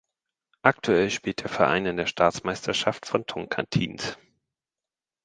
Aktuell spielt der Verein in der Staatsmeisterschaft von Tocantins.